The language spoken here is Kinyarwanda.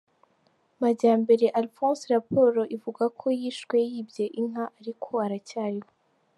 Majyambere Alphonse, raporo ivuga ko yishwe yibye inka ariko aracyariho